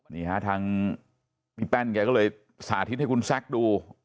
นี่ฮะทางพี่แป้นแกก็เลยสาธิตให้คุณแซคดู